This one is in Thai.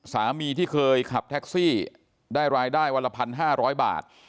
สามีที่เคยขับแท็กซี่ได้รายได้วันละ๑๕๐๐บาท